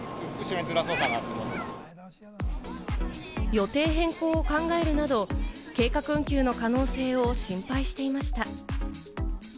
予定変更を考えるなど、計画運休の可能性を心配していました。